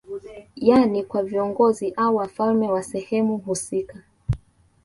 Yani kwa viongozi au wafalme wa sehemu husika